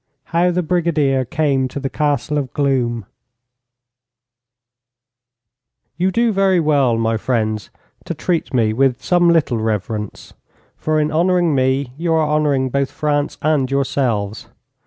HOW THE BRIGADIER CAME TO THE CASTLE OF GLOOM[A] You do very well, my friends, to treat me with some little reverence, for in honouring me you are honouring both France and yourselves.